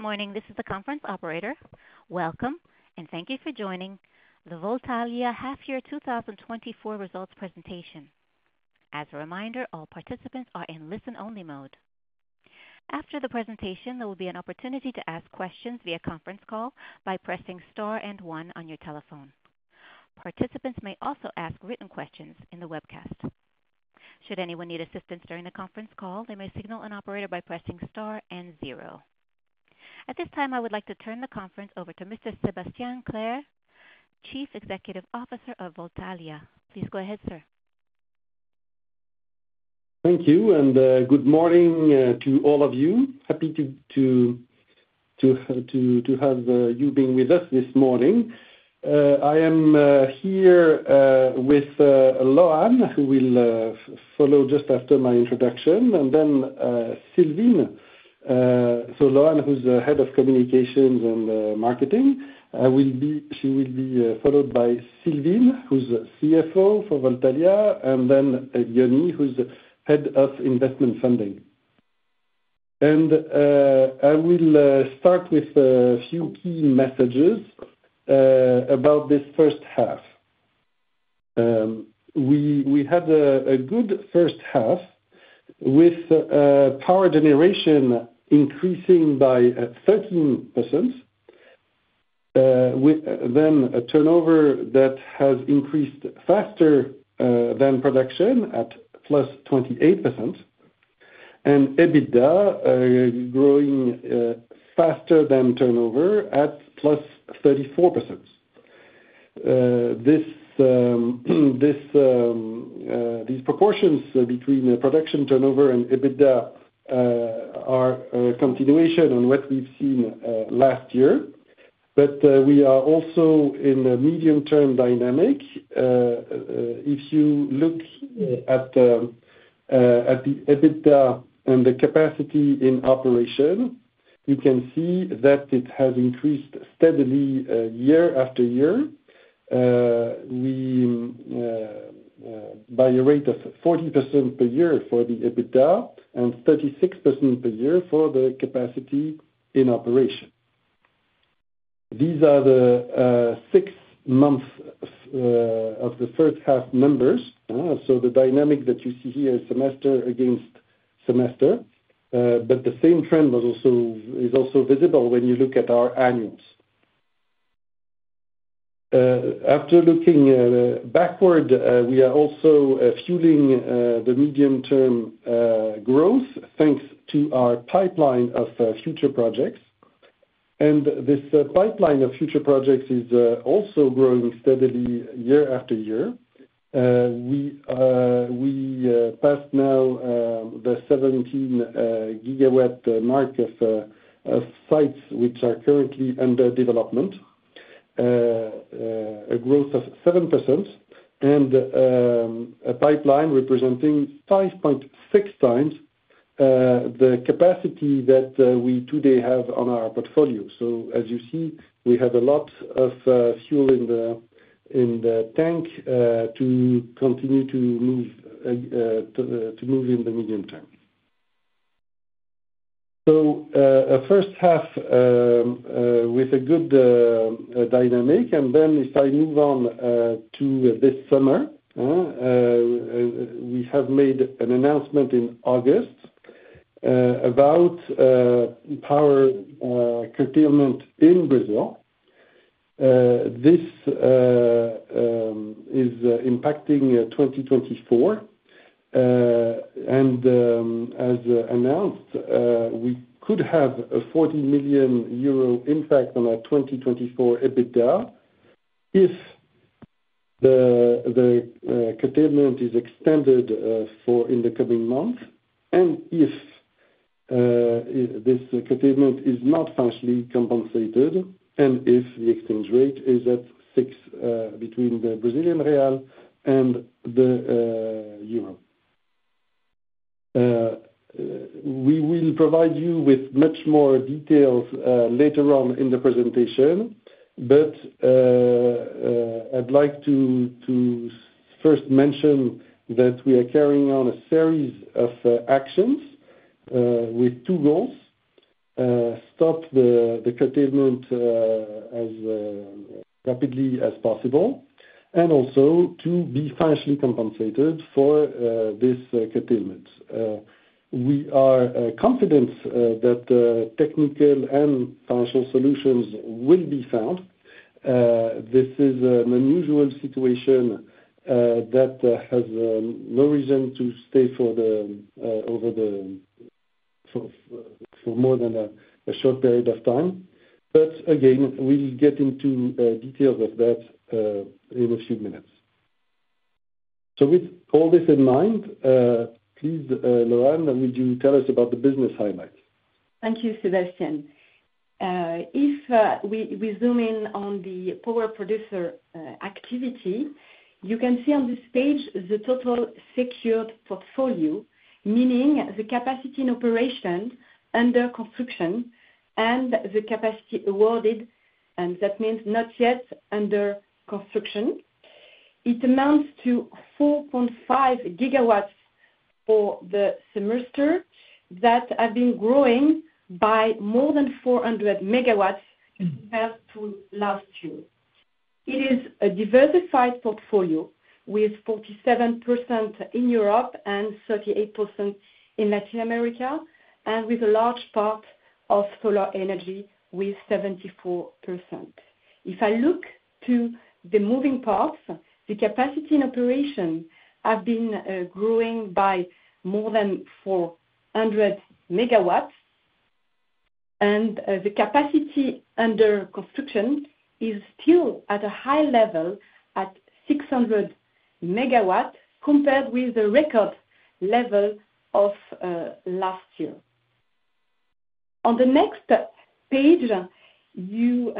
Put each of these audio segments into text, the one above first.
Good morning, this is the conference operator. Welcome, and thank you for joining the Voltalia Half Year 2024 Results Presentation. As a reminder, all participants are in listen-only mode. After the presentation, there will be an opportunity to ask questions via conference call by pressing star and one on your telephone. Participants may also ask written questions in the webcast. Should anyone need assistance during the conference call, they may signal an operator by pressing star and zero. At this time, I would like to turn the conference over to Mr. Sébastien Clerc, Chief Executive Officer of Voltalia. Please go ahead, sir. Thank you, and good morning to all of you. Happy to have you being with us this morning. I am here with Loan, who will follow just after my introduction, and then Céline. So Loan, who's the head of communications and marketing, she will be followed by Céline, who's CFO for Voltalia, and then Yannick, who's head of investment funding. And I will start with a few key messages about this first half. We had a good first half with power generation increasing by 13%, with then a turnover that has increased faster than production at +28%, and EBITDA growing faster than turnover at +34%. This, these proportions between the production turnover and EBITDA are a continuation on what we've seen last year. But we are also in a medium-term dynamic. If you look at at the EBITDA and the capacity in operation, you can see that it has increased steadily year after year. We by a rate of 40% per year for the EBITDA, and 36% per year for the capacity in operation. These are the six month of the first half numbers, so the dynamic that you see here is semester against semester, but the same trend was also, is also visible when you look at our annuals. After looking backward, we are also fueling the medium-term growth, thanks to our pipeline of future projects. And this pipeline of future projects is also growing steadily year after year. We passed now the 17 gigawatt mark of sites which are currently under development. A growth of 7% and a pipeline representing 5.6 times the capacity that we today have on our portfolio. So as you see, we have a lot of fuel in the tank to continue to move in the medium term. So a first half with a good dynamic, and then if I move on to this summer, we have made an announcement in August about power curtailment in Brazil. This is impacting 2024. As announced, we could have a 40 million euro impact on our 2024 EBITDA if the curtailment is extended for the coming months, and if this curtailment is not financially compensated, and if the exchange rate is at 6 between the Brazilian real and the euro. We will provide you with much more details later on in the presentation, but I'd like to first mention that we are carrying out a series of actions with two goals. Stop the curtailment as rapidly as possible, and also to be financially compensated for this curtailment. We are confident that technical and financial solutions will be found. This is an unusual situation that has no reason to stay for more than a short period of time. But again, we will get into details of that in a few minutes. So with all this in mind, please, Loan, would you tell us about the business highlights? Thank you, Sébastien. If we zoom in on the power producer activity, you can see on this page the total secured portfolio, meaning the capacity and operation under construction and the capacity awarded, and that means not yet under construction. It amounts to 4.5 gigawatts for the semester, that have been growing by more than 400 megawatts compared to last year. It is a diversified portfolio, with 47% in Europe and 38% in Latin America, and with a large part of solar energy, with 74%. If I look to the moving parts, the capacity and operation have been growing by more than 400 megawatts, and the capacity under construction is still at a high level at 600 megawatts, compared with the record level of last year. On the next page, you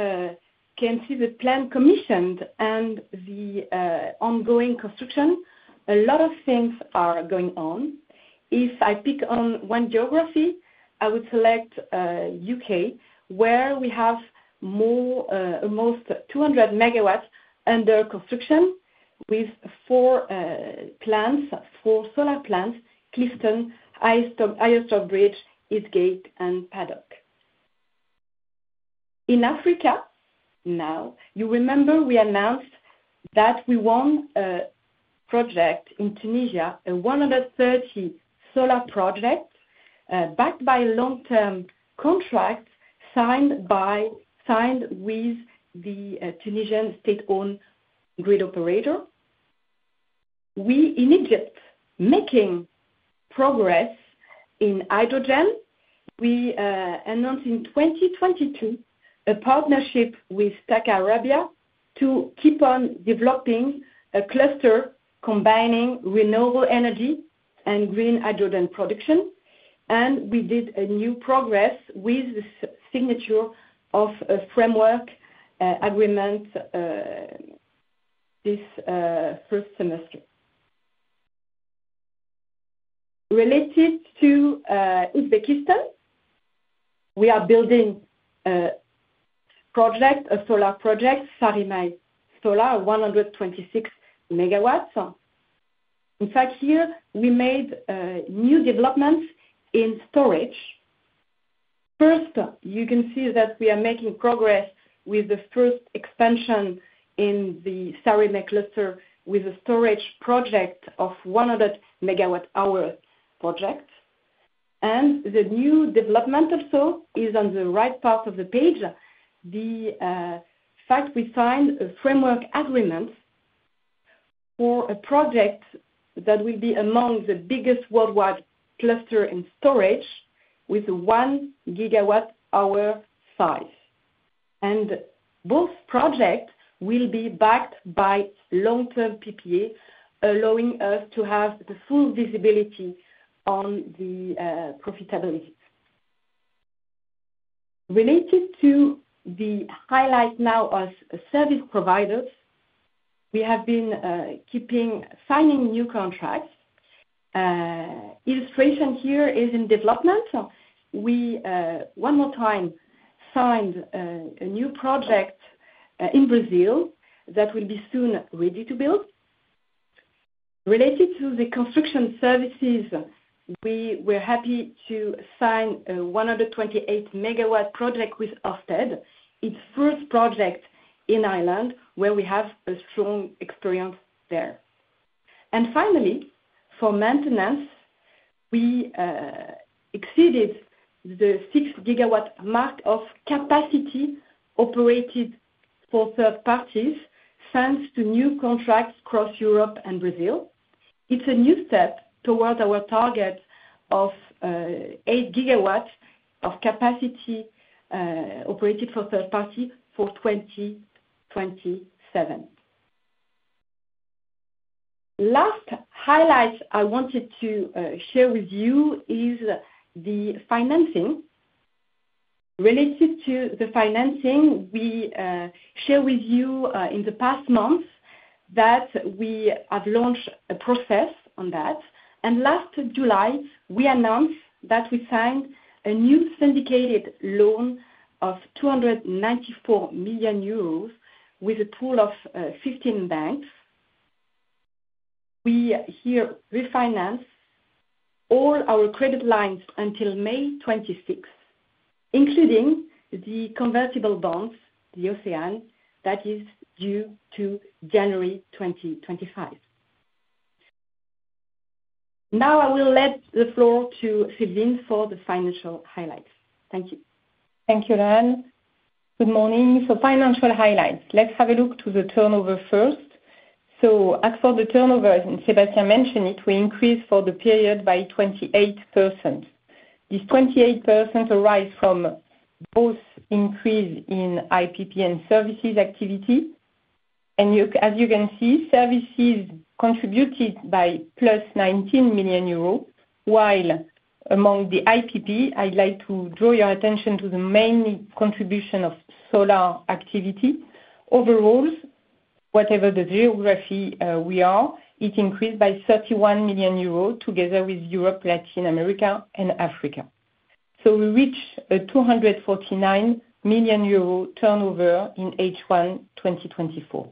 can see the planned commissioned and the ongoing construction. A lot of things are going on. If I pick on one geography, I would select U.K., where we have more almost 200 megawatts under construction with four plants, four solar plants, Clifton, Higher Stockbridge, Eastgate, and Paddock. In Africa, now, you remember we announced that we won a project in Tunisia, a 130 solar project backed by long-term contract, signed with the Tunisian state-owned grid operator. We in Egypt making progress in hydrogen. We announced in 2022 a partnership with TAQA Arabia to keep on developing a cluster combining renewable energy and green hydrogen production, and we did a new progress with the signature of a framework agreement this first semester. Related to Uzbekistan, we are building a project, a solar project, Sarimay Solar, 126 megawatts. In fact, here we made new developments in storage. First, you can see that we are making progress with the first expansion in the Sarimay cluster, with a storage project of 100 megawatt hour project. And the new development also is on the right part of the page. The fact we signed a framework agreement for a project that will be among the biggest worldwide cluster in storage, with 1 gigawatt hour size. And both projects will be backed by long-term PPA, allowing us to have the full visibility on the profitability. Related to the highlight now of service providers, we have been keeping signing new contracts. Illustration here is in development. We one more time signed a new project in Brazil that will be soon ready to build. Related to the construction services, we were happy to sign a 128-MW project with Ørsted, its first project in Ireland, where we have a strong experience there, and finally, for maintenance, we exceeded the 6-GW mark of capacity operated for third parties, thanks to new contracts across Europe and Brazil. It's a new step towards our target of 8 GW of capacity operated for third party for 2027. Last highlight I wanted to share with you is the financing. Related to the financing, we share with you in the past month, that we have launched a process on that, and last July, we announced that we signed a new syndicated loan of 294 million euros with a pool of 15 banks. We here refinance all our credit lines until May twenty-sixth, including the convertible bonds, the OCEANE, that is due to January twenty twenty-five. Now, I will let the floor to Sabine for the financial highlights. Thank you. Thank you, Loan. Good morning. So, financial highlights. Let's have a look to the turnover first. So, as for the turnover, and Sébastien mentioned it, we increased for the period by 28%. This 28% arise from both increase in IPP and services activity, and as you can see, services contributed by plus 19 million euros, while among the IPP, I'd like to draw your attention to the main contribution of solar activity. Overall, whatever the geography, we are, it increased by 31 million euros, together with Europe, Latin America, and Africa. So, we reached a 249 million euro turnover in H1 2024.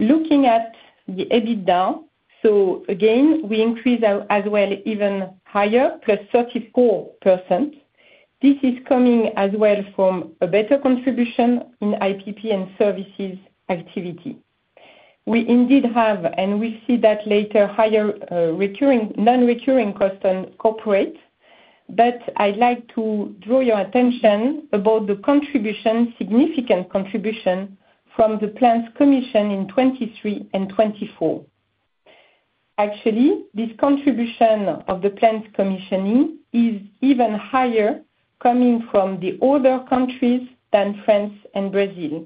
Looking at the EBITDA, so again, we increased our, as well, even higher, plus 34%. This is coming as well from a better contribution in IPP and services activity. We indeed have, and we see that later, higher, recurring, non-recurring costs on corporate. But I'd like to draw your attention about the contribution, significant contribution, from the plants commissioned in 2023 and 2024. Actually, this contribution of the plants commissioning is even higher coming from the other countries than France and Brazil.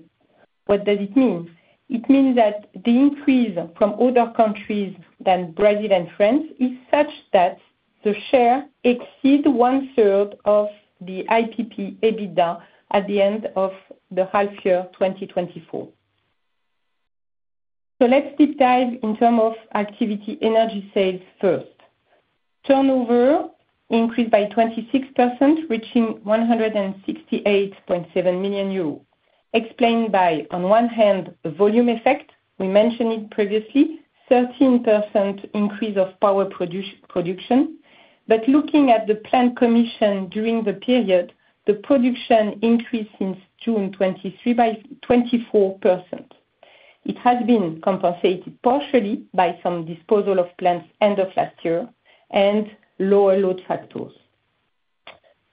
What does it mean? It means that the increase from other countries than Brazil and France is such that the share exceeds one third of the IPP EBITDA at the end of the half year 2024. Let's deep dive in terms of activity, energy sales first. Turnover increased by 26%, reaching 168.7 million euros, explained by, on one hand, a volume effect, we mentioned it previously, 13% increase of power production. But looking at the plant commission during the period, the production increased since June 2023 by 24%. It has been compensated partially by some disposal of plants end of last year and lower load factors.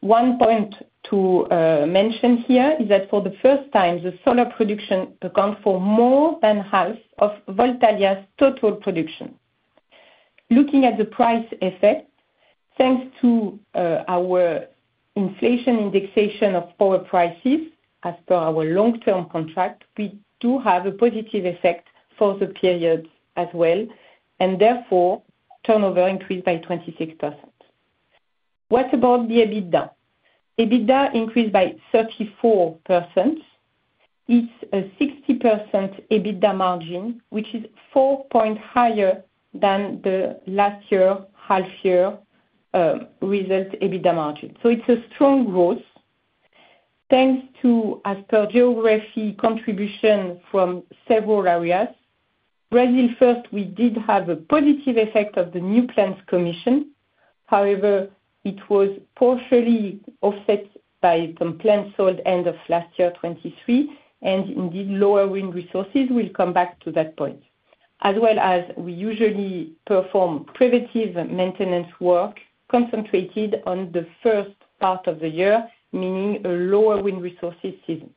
One point to mention here is that for the first time, the solar production account for more than half of Voltalia's total production. Looking at the price effect, thanks to our inflation indexation of power prices, as per our long-term contract, we do have a positive effect for the period as well, and therefore, turnover increased by 26%. What about the EBITDA? EBITDA increased by 34%. It's a 60% EBITDA margin, which is four-point higher than the last year, half-year result EBITDA margin. So it's a strong growth, thanks to, as per geography, contribution from several areas. Brazil first, we did have a positive effect of the new plants commissioning. However, it was partially offset by some plants sold end of last year, 2023, and indeed, lower wind resources. We'll come back to that point. As well as we usually perform preventive maintenance work concentrated on the first part of the year, meaning a lower wind resources season.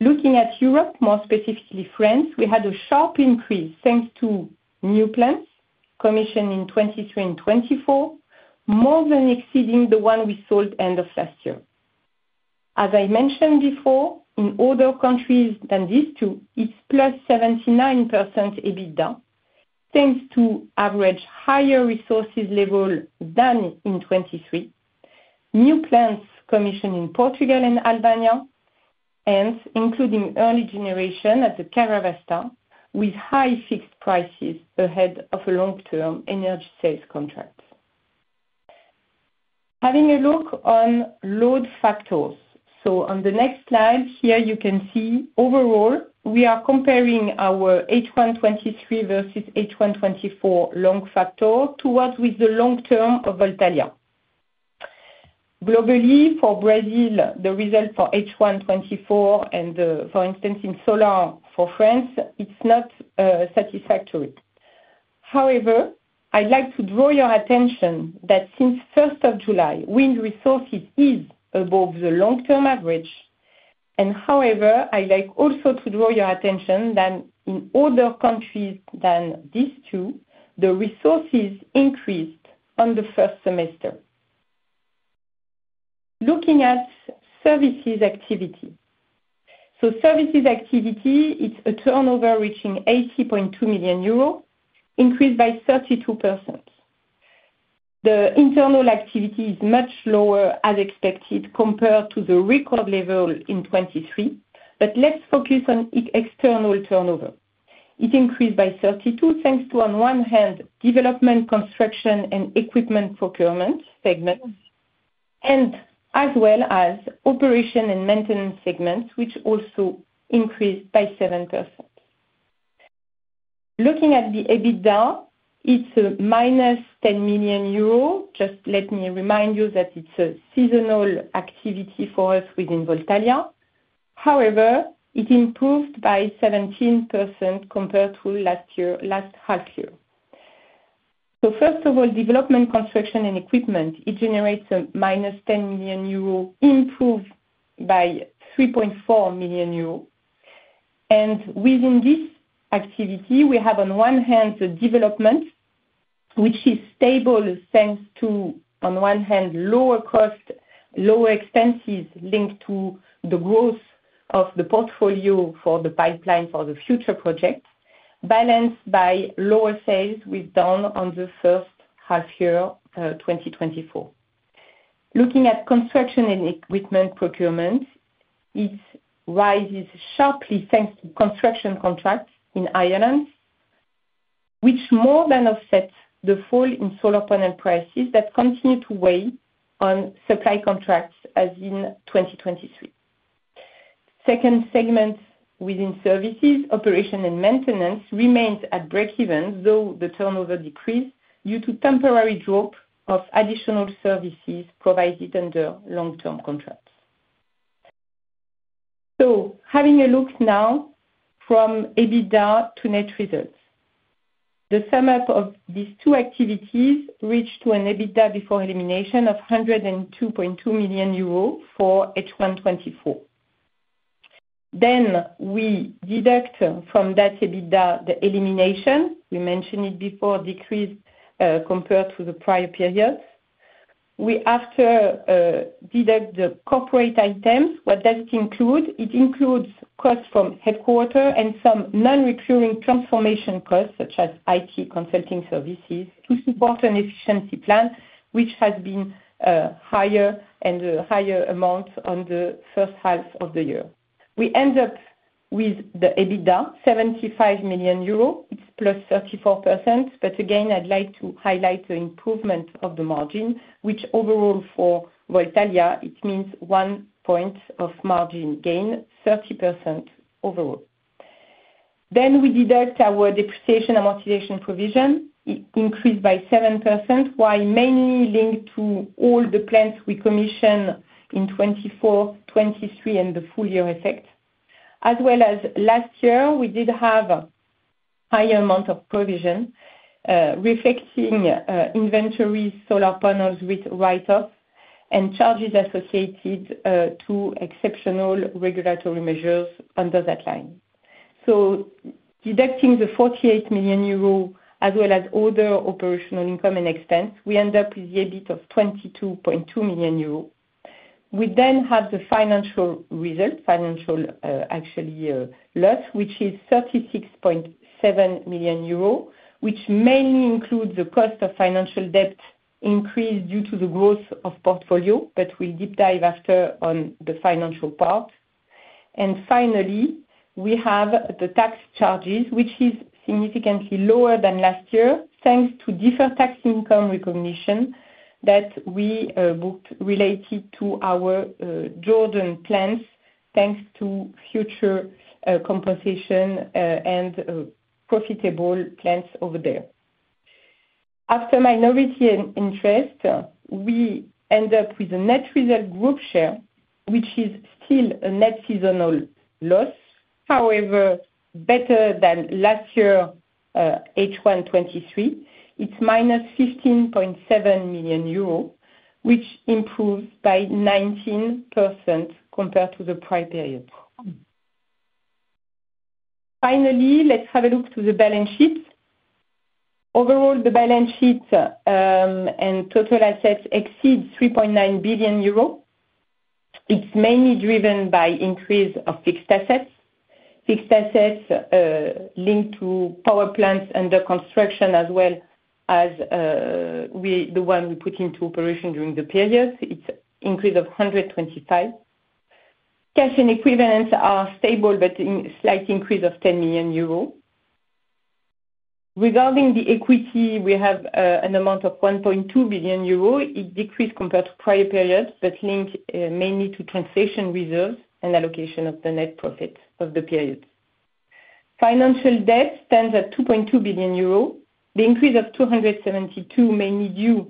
Looking at Europe, more specifically France, we had a sharp increase thanks to new plants commissioned in 2023 and 2024, more than exceeding the one we sold end of last year. As I mentioned before, in other countries than these two, it's plus 79% EBITDA, thanks to average higher resources level than in 2023, new plants commissioned in Portugal and Albania, and including early generation at the Karavasta, with high fixed prices ahead of a long-term energy sales contract. Having a look on load factors. So on the next slide here, you can see overall, we are comparing our H1 2023 versus H1 2024 load factor towards with the long term of Voltalia. Globally, for Brazil, the result for H1 2024 and, for instance, in solar for France, it's not satisfactory. However, I'd like to draw your attention that since first of July, wind resources is above the long-term average, and however, I like also to draw your attention that in other countries than these two, the resources increased on the first semester. Looking at Services activity. So Services activity, it's a turnover reaching 80.2 million euros, increased by 32%. The internal activity is much lower as expected, compared to the record level in 2023. But let's focus on external turnover. It increased by 32, thanks to, on one hand, development, construction, and equipment procurement segments, and as well as operation and maintenance segments, which also increased by 7%. Looking at the EBITDA, it's a minus 10 million euro. Just let me remind you that it's a seasonal activity for us within Voltalia. However, it improved by 17% compared to last year, last half year. So first of all, development, construction, and equipment, it generates a minus 10 million euro, improved by 3.4 million euro. And within this activity, we have, on one hand, the development, which is stable, thanks to, on one hand, lower cost, lower expenses linked to the growth of the portfolio for the pipeline for the future projects, balanced by lower sales with down on the first half year 2024. Looking at construction and equipment procurement, it rises sharply thanks to construction contracts in Ireland, which more than offset the fall in solar panel prices that continue to weigh on supply contracts as in 2023. Second segment within services, operation and maintenance remains at breakeven, though the turnover decreased due to temporary drop of additional services provided under long-term contracts. So having a look now from EBITDA to net results. The sum up of these two activities reached to an EBITDA before elimination of 102.2 million EUR for H1 2024. Then we deduct from that EBITDA, the elimination, we mentioned it before, decreased, compared to the prior periods. We after deduct the corporate items. What that include? It includes costs from headquarters and some non-recurring transformation costs, such as IT consulting services, to support an efficiency plan, which has been higher and a higher amount on the first half of the year. We end up with the EBITDA, 75 million euros. It's +34%, but again, I'd like to highlight the improvement of the margin, which overall for Voltalia, it means one point of margin gain, 30% overall. Then we deduct our depreciation amortization provision. It increased by 7%, while mainly linked to all the plants we commission in 2024, 2023, and the full year effect. As well as last year, we did have higher amount of provision, reflecting inventory solar panels with write-offs and charges associated to exceptional regulatory measures under that line. Deducting the 48 million euro as well as other operational income and expense, we end up with the EBIT of 22.2 million euro. We then have the financial result, financial, actually, loss, which is 36.7 million euros, which mainly includes the cost of financial debt increase due to the growth of portfolio, but we'll deep dive after on the financial part. Finally, we have the tax charges, which is significantly lower than last year, thanks to deferred tax income recognition that we booked related to our Jordan plants, thanks to future compensation and profitable plants over there. After minority and interest, we end up with a net result group share, which is still a net seasonal loss. However, better than last year, H1 2023, it's minus 15.7 million euros, which improved by 19% compared to the prior period. Finally, let's have a look to the balance sheet. Overall, the balance sheet and total assets exceed 3.9 billion euro. It's mainly driven by increase of fixed assets. Fixed assets linked to power plants under construction, as well as the one we put into operation during the period. It's increase of 125. Cash and equivalents are stable, but in slight increase of 10 million euro. Regarding the equity, we have an amount of 1.2 billion euro. It decreased compared to prior periods, but linked mainly to translation reserves and allocation of the net profit of the period. Financial debt stands at 2.2 billion euros. The increase of 272 mainly due,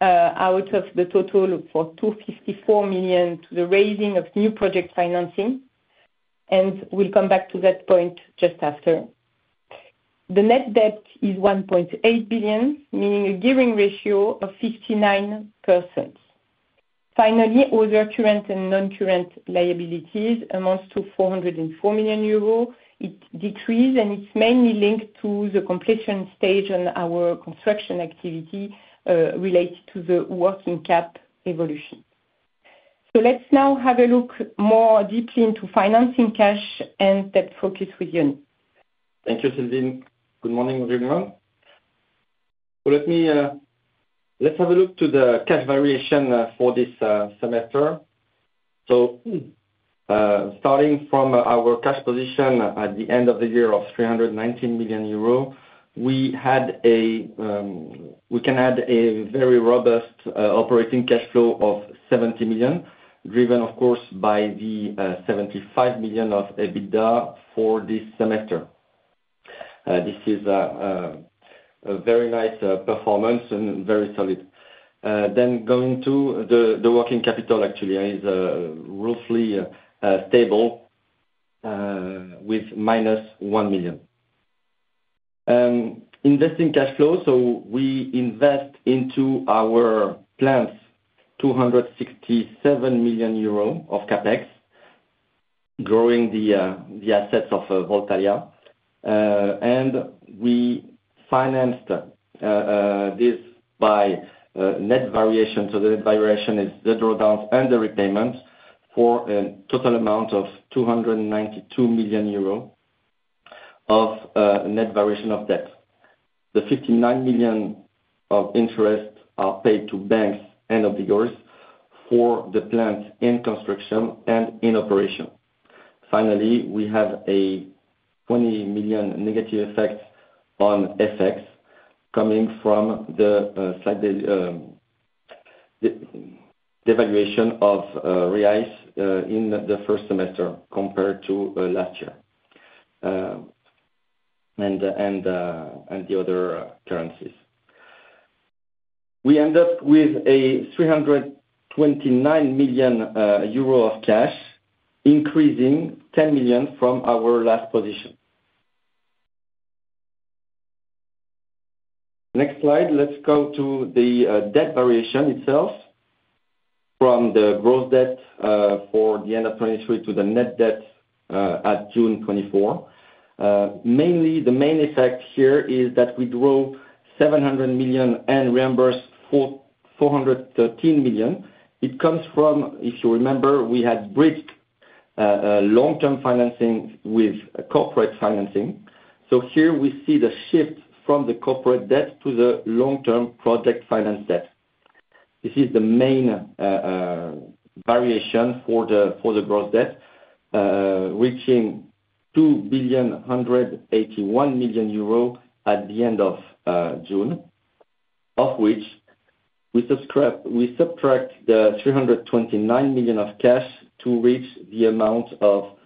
out of the total of 254 million to the raising of new project financing, and we'll come back to that point just after. The net debt is 1.8 billion, meaning a gearing ratio of 59%. Finally, other current and non-current liabilities amounts to 404 million euros. It decreased, and it's mainly linked to the completion stage on our construction activity, related to the working cap evolution. So let's now have a look more deeply into financing cash and debt focus with Yann. Thank you, Céline. Good morning, everyone. So let me, let's have a look to the cash variation for this semester. So starting from our cash position at the end of the year of 319 million euro, we had a we can add a very robust operating cash flow of 70 million, driven, of course, by the 75 million of EBITDA for this semester. This is a very nice performance and very solid. Then going to the working capital actually is roughly stable with minus 1 million. Investing cash flow, so we invest into our plants 267 million euros of CapEx, growing the assets of Voltalia. And we financed this by net variation. The net variation is the drawdowns and the repayments for a total amount of 292 million euro of net variation of debt. The 59 million EUR of interest are paid to banks and auditors for the plants in construction and in operation. Finally, we have a 20 million EUR negative effect on FX, coming from the slight devaluation of reais in the first semester compared to last year, and the other currencies. We end up with 329 million euro of cash, increasing 10 million EUR from our last position. Next slide. Let's go to the debt variation itself. From the gross debt for the end of 2023 to the net debt at June 2024. Mainly, the main effect here is that we draw 700 million and reimburse 413 million. It comes from, if you remember, we had bridged long-term financing with corporate financing. So here we see the shift from the corporate debt to the long-term project finance debt. This is the main variation for the gross debt reaching 2.181 billion at the end of June, of which we subtract the 329 million of cash to reach the amount of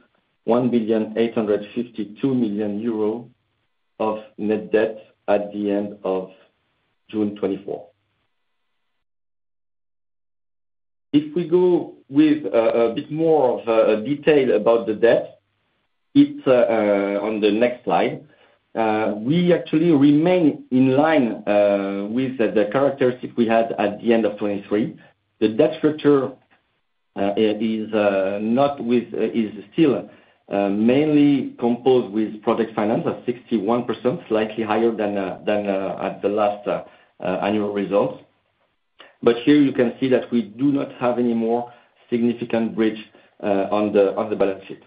1.852 billion euro of net debt at the end of June 2024. If we go with a bit more of detail about the debt, it's on the next slide. We actually remain in line with the characteristic we had at the end of 2023. The debt structure is still mainly composed with project finance at 61%, slightly higher than at the last annual results. But here you can see that we do not have any more significant bridge on the balance sheet.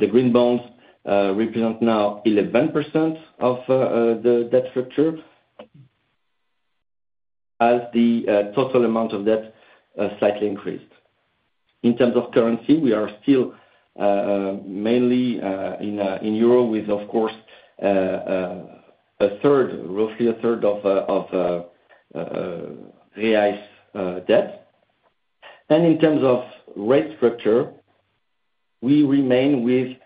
The green bonds represent now 11% of the debt structure, as the total amount of debt slightly increased. In terms of currency, we are still mainly in euro with, of course, roughly a third of reais debt. In terms of rate structure, we remain with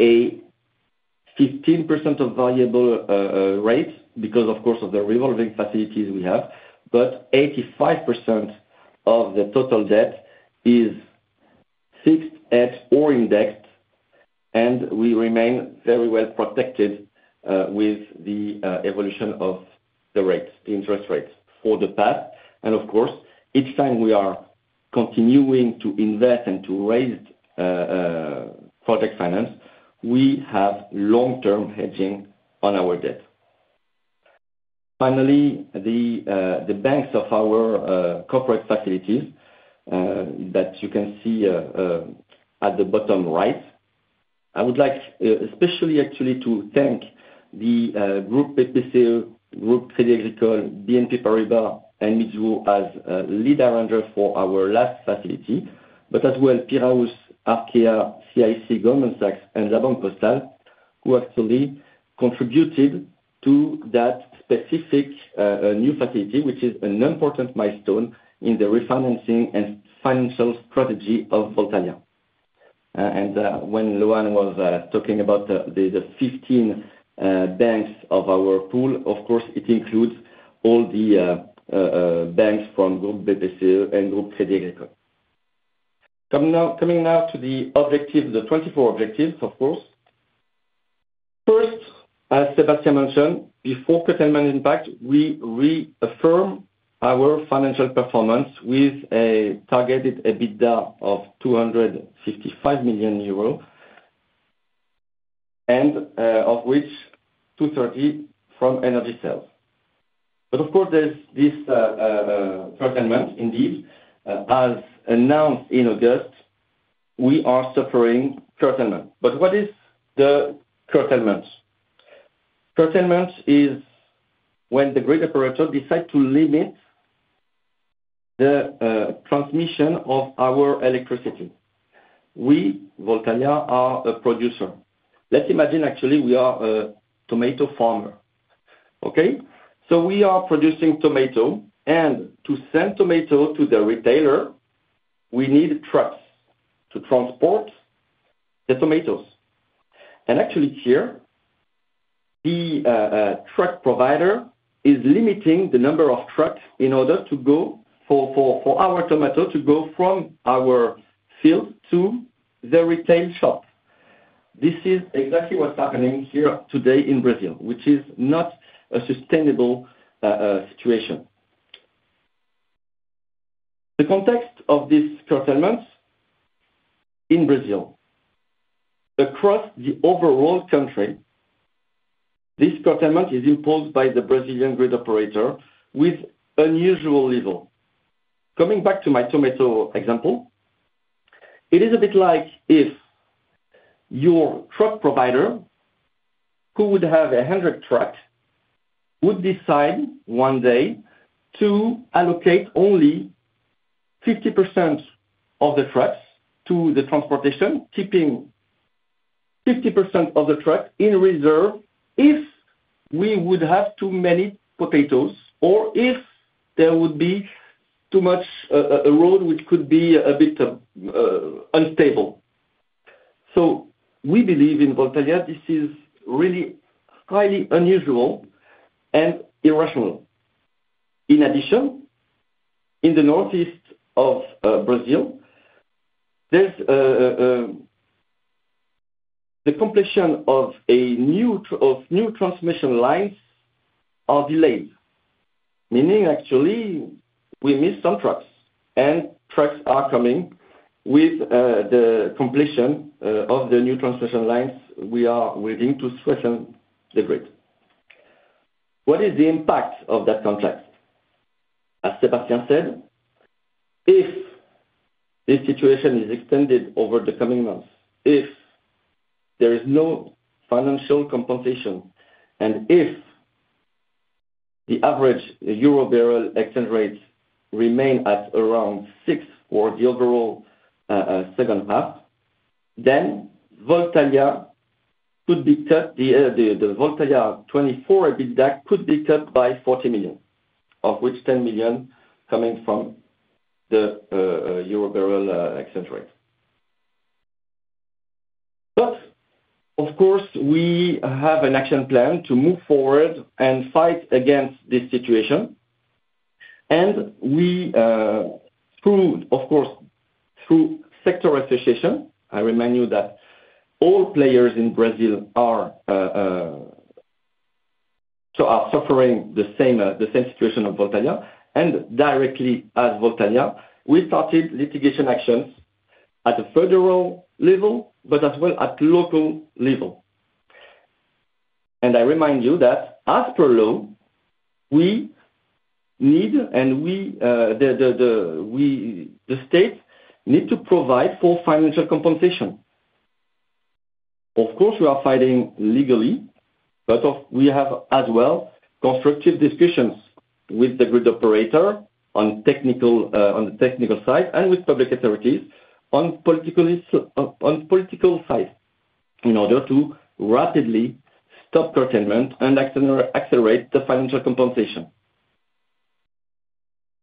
a 15% of variable rate, because of course, of the revolving facilities we have, but 85% of the total debt is fixed at or indexed, and we remain very well protected with the evolution of the rates, the interest rates for the past. Of course, each time we are continuing to invest and to raise project finance, we have long-term hedging on our debt. Finally, the banks of our corporate facilities that you can see at the bottom right. I would like especially actually to thank the Groupe BPCE, Groupe Crédit Agricole, BNP Paribas, and Mizuho as lead arranger for our last facility. But as well, Piraeus, Arkéa, CIC, Goldman Sachs, and La Banque Postale, who actually contributed to that specific new facility, which is an important milestone in the refinancing and financial strategy of Voltalia. And when Loan was talking about the fifteen banks of our pool, of course, it includes all the banks from Group BPCE and Group Crédit Agricole. Coming now to the objective, the 2024 objectives, of course. First, as Sébastien mentioned, before curtailment impact, we reaffirm our financial performance with a targeted EBITDA of 255 million EUR, of which 230 from energy sales. But of course, there's this curtailment indeed. As announced in August, we are suffering curtailment. But what is the curtailment? Curtailment is when the grid operator decide to limit the transmission of our electricity. We, Voltalia, are a producer. Let's imagine actually we are a tomato farmer, okay? So we are producing tomato, and to send tomato to the retailer, we need trucks to transport the tomatoes. And actually here, the truck provider is limiting the number of trucks in order to go for our tomato to go from our field to the retail shop. This is exactly what's happening here today in Brazil, which is not a sustainable situation. The context of this curtailment in Brazil. Across the overall country, this curtailment is imposed by the Brazilian grid operator with unusual level. Coming back to my tomato example, it is a bit like if your truck provider-... who would have a hundred trucks, would decide one day to allocate only 50% of the trucks to the transportation, keeping 50% of the truck in reserve if we would have too many potatoes, or if there would be too much, a road which could be a bit, unstable. So we believe in Voltalia, this is really highly unusual and irrational. In addition, in the northeast of Brazil, there's the completion of new transmission lines are delayed, meaning actually we miss some trucks, and trucks are coming with the completion of the new transmission lines, we are willing to strengthen the grid. What is the impact of that contract? As Sébastien said, if this situation is extended over the coming months, if there is no financial compensation, and if the average EUR/BRL exchange rate remain at around 6 for the overall second half, then Voltalia could be cut, the Voltalia 2024 EBITDA could be cut by 40 million, of which 10 million coming from the EUR/BRL exchange rate. But of course, we have an action plan to move forward and fight against this situation, and we through, of course, through sector association, I remind you that all players in Brazil are so suffering the same situation as Voltalia, and directly as Voltalia, we started litigation actions at a federal level, but as well at local level. I remind you that as per law, we need, and the state need to provide for financial compensation. Of course, we are fighting legally, but we have as well constructive discussions with the grid operator on the technical side, and with public authorities on political side, in order to rapidly stop curtailment and accelerate the financial compensation.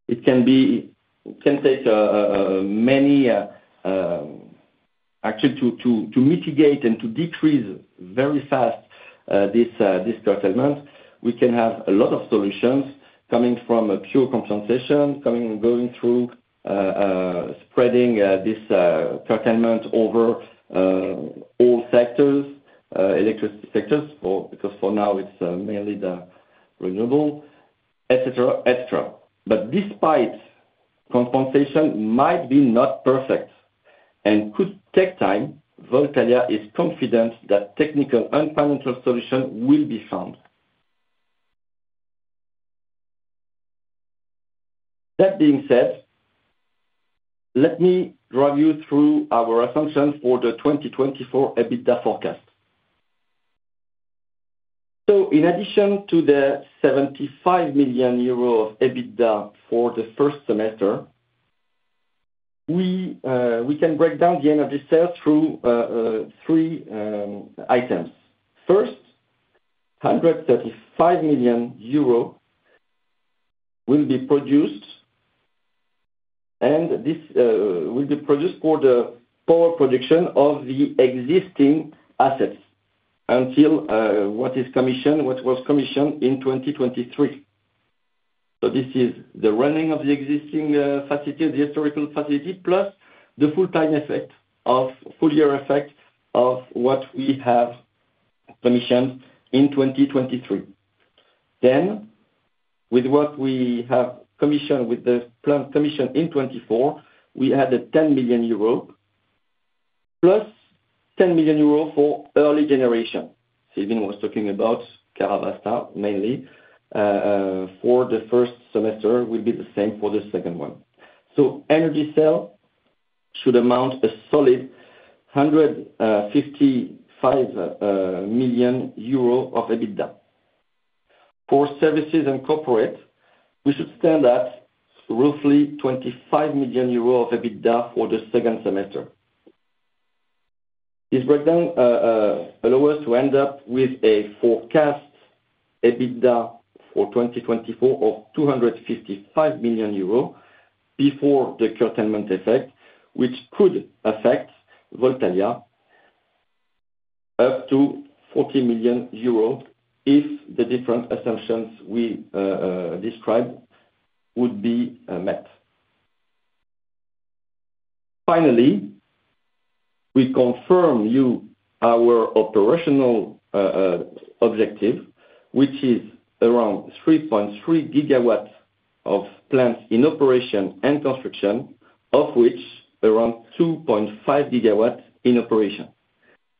It can take many, actually to mitigate and to decrease very fast, this curtailment. We can have a lot of solutions coming from a pure compensation, coming and going through spreading this curtailment over all sectors, electricity sectors, because for now it's mainly the renewable, et cetera, et cetera. But despite compensation might be not perfect and could take time, Voltalia is confident that technical and financial solution will be found. That being said, let me drive you through our assumptions for the 2024 EBITDA forecast. So in addition to the 75 million euro of EBITDA for the first semester, we can break down the energy sales through three items. First, 135 million EUR will be produced, and this will be produced for the power production of the existing assets until what was commissioned in 2023. So this is the running of the existing facility, the historical facility, plus the full year effect of what we have commissioned in 2023. Then, with what we have commissioned, with the plant commission in 2024, we had 10 million euro, plus 10 million euro for early generation. Sébastien was talking about Karavasta mainly, for the first semester, will be the same for the second one. So energy sale should amount a solid 155 million euro of EBITDA. For services and corporate, we should stand at roughly 25 million euros of EBITDA for the second semester. This breakdown allow us to end up with a forecast EBITDA for 2024 of 255 million euro before the curtailment effect, which could affect Voltalia up to 40 million euros, if the different assumptions we described would be met. Finally, we confirm you our operational objective, which is around 3.3 gigawatts of plants in operation and construction, of which around 2.5 gigawatts in operation.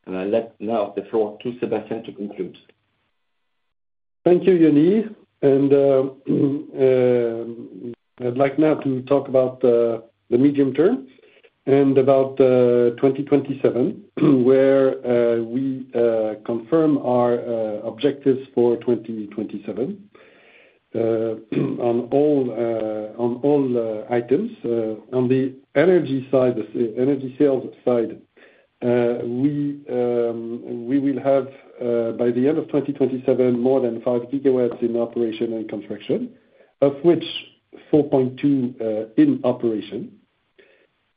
And I let now the floor to Sébastien to conclude. Thank you, Yannick. I'd like now to talk about the medium term and about twenty twenty-seven, where we confirm our objectives for twenty twenty-seven. On all items, on the energy side, the energy sales side, we will have, by the end of twenty twenty-seven, more than five gigawatts in operation and construction, of which four point two in operation.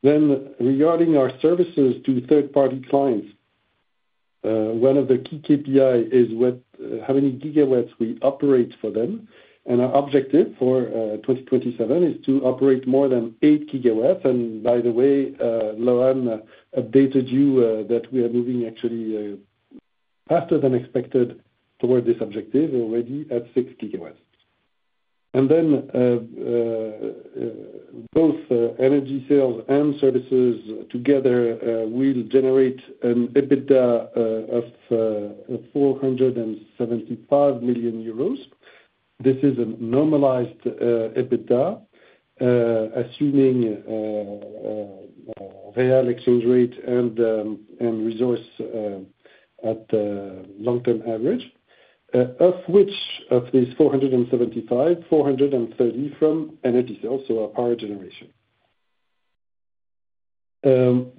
Then regarding our services to third party clients, one of the key KPI is how many gigawatts we operate for them, and our objective for twenty twenty-seven is to operate more than eight gigawatts. By the way, Loan updated you that we are moving actually faster than expected toward this objective, already at six gigawatts. Then, both energy sales and services together will generate an EBITDA of 475 million euros. This is a normalized EBITDA, assuming real exchange rate and resource at the long-term average, of which, of these 475, 430 from energy sales, so our power generation.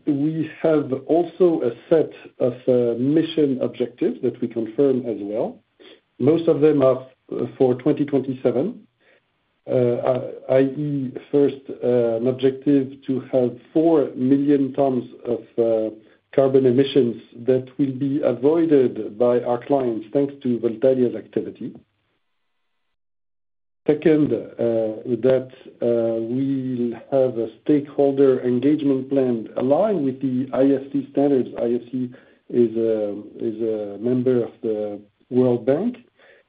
We have also a set of mission objectives that we confirm as well. Most of them are for 2027. I.e., first, an objective to have 4 million tons of carbon emissions that will be avoided by our clients, thanks to Voltalia's activity. Second, that we have a stakeholder engagement plan aligned with the IFC standards. IFC is a member of the World Bank,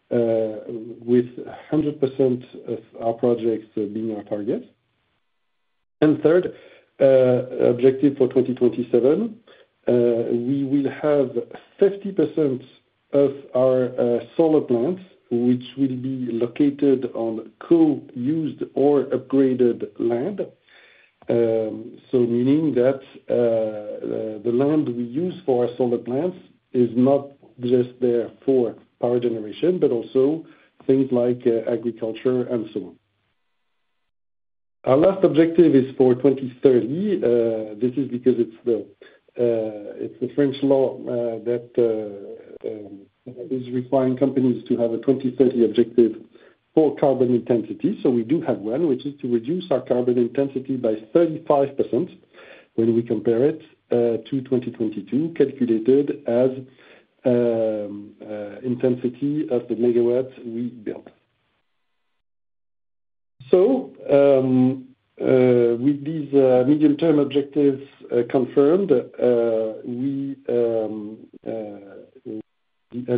with 100% of our projects being our target. And third objective for 2027, we will have 50% of our solar plants, which will be located on co-used or upgraded land. So meaning that, the land we use for our solar plants is not just there for power generation, but also things like agriculture and so on. Our last objective is for 2030. This is because it's the French law that is requiring companies to have a 2030 objective for carbon intensity. So we do have one, which is to reduce our carbon intensity by 35% when we compare it to 2022, calculated as intensity of the megawatts we build. So, with these medium-term objectives confirmed, and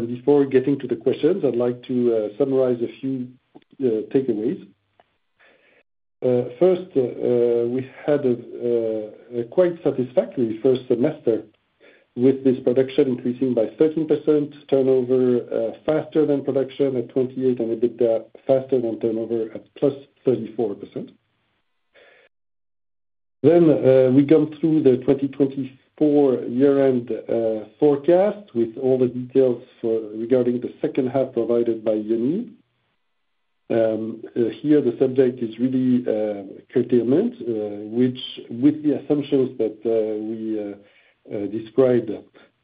before getting to the questions, I'd like to summarize a few takeaways. First, we had a quite satisfactory first semester with this production increasing by 13%, turnover faster than production at 28%, and EBITDA faster than turnover at +34%, then we come through the 2024 year-end forecast, with all the details regarding the second half provided by Yannick. Here, the subject is really curtailment, which, with the assumptions that we described,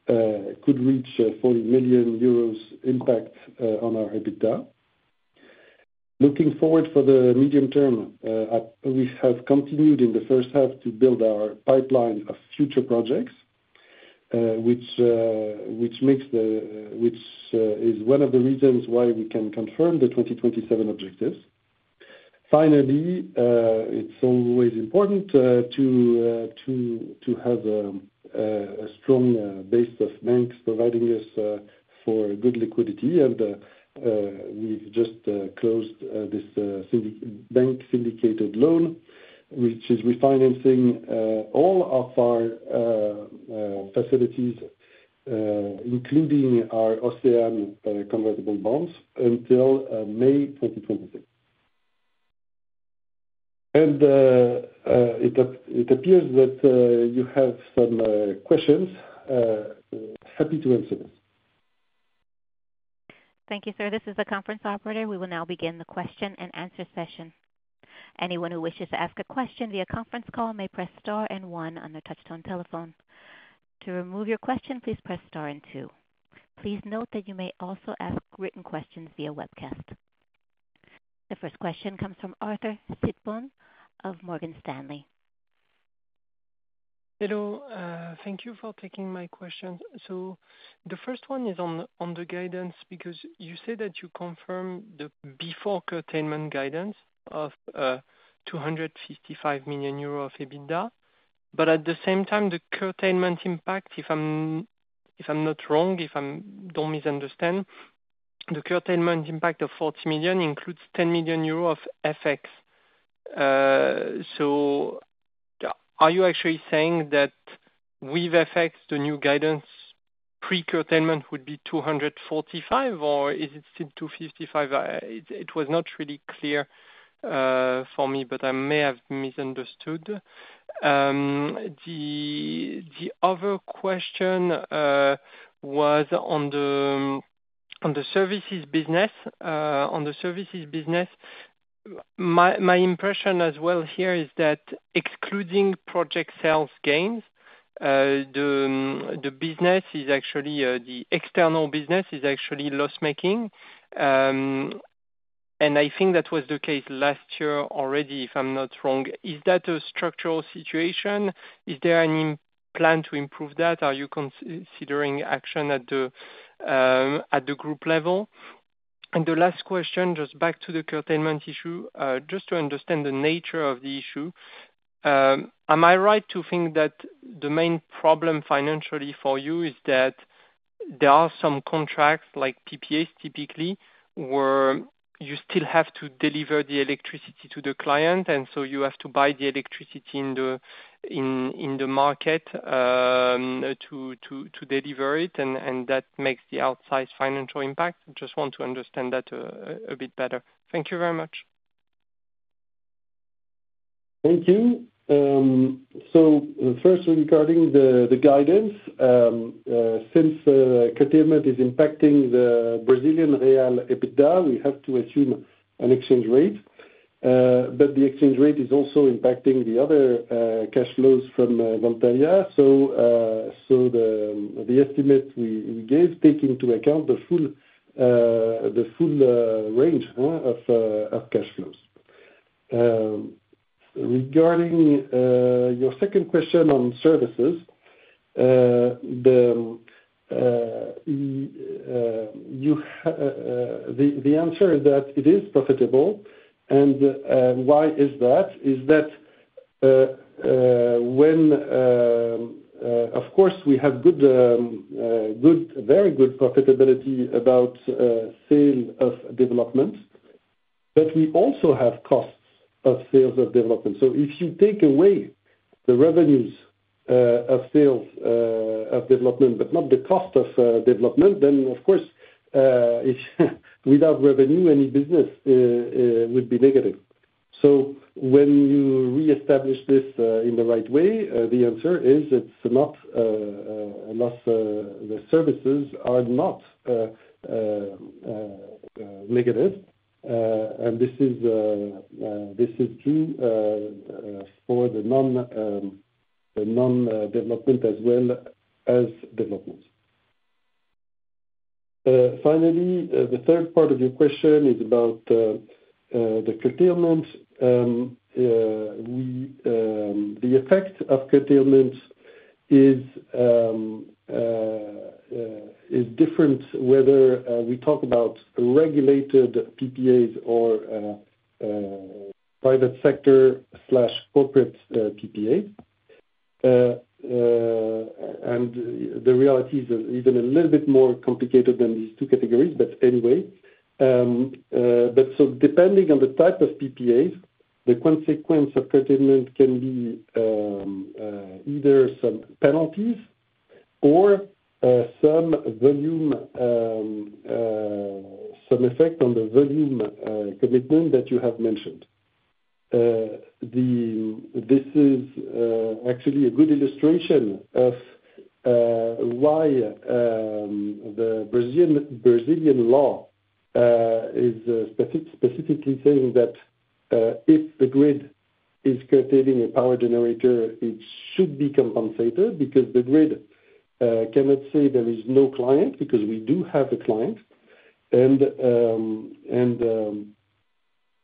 could reach 40 million euros impact on our EBITDA. Looking forward for the medium term, we have continued in the first half to build our pipeline of future projects, which is one of the reasons why we can confirm the 2027 objectives. Finally, it's always important to have a strong base of banks providing us for good liquidity. We've just closed this syndicated loan, which is refinancing all of our facilities, including our OCEANE convertible bonds until May 2026. It appears that you have some questions. Happy to answer them. Thank you, sir. This is the conference operator. We will now begin the question and answer session. Anyone who wishes to ask a question via conference call may press star and one on their touchtone telephone. To remove your question, please press star and two. Please note that you may also ask written questions via webcast. The first question comes from Arthur Sitbon of Morgan Stanley. Hello, thank you for taking my questions. So the first one is on the guidance, because you said that you confirm the before curtailment guidance of 255 million euro of EBITDA. But at the same time, the curtailment impact, if I'm not wrong, don't misunderstand, the curtailment impact of 40 million includes 10 million euro of FX so, are you actually saying that with effects, the new guidance, pre-curtailment would be two hundred forty-five, or is it still two fifty-five? It was not really clear for me, but I may have misunderstood. The other question was on the services business. On the services business, my impression as well here is that excluding project sales gains, the business is actually the external business is actually loss making. And I think that was the case last year already, if I'm not wrong. Is that a structural situation? Is there any plan to improve that? Are you considering action at the group level? And the last question, just back to the curtailment issue. Just to understand the nature of the issue, am I right to think that the main problem financially for you is that there are some contracts, like PPAs typically, where you still have to deliver the electricity to the client, and so you have to buy the electricity in the market, to deliver it, and that makes the outsized financial impact? Just want to understand that a bit better. Thank you very much. Thank you. So first regarding the guidance, since curtailment is impacting the Brazilian real EBITDA, we have to assume an exchange rate. But the exchange rate is also impacting the other cash flows from Voltalia. So the estimate we gave take into account the full range of cash flows. Regarding your second question on services, the answer is that it is profitable, and why is that? That is when, of course, we have good, very good profitability about sale of development, but we also have costs of sales of development. So if you take away the revenues of sales of development, but not the cost of development, then of course, without revenue, any business would be negative. So when you reestablish this in the right way, the answer is it's not unless the services are not negative. And this is true for the non development as well as development. Finally, the third part of your question is about the curtailment. The effect of curtailment is different whether we talk about regulated PPAs or private sector/corporate PPA. The reality is even a little bit more complicated than these two categories, but anyway, so depending on the type of PPAs, the consequence of curtailment can be either some penalties or some effect on the volume commitment that you have mentioned. This is actually a good illustration of why the Brazilian law is specifically saying that if the grid is curtailing a power generator, it should be compensated, because the grid cannot say there is no client, because we do have a client.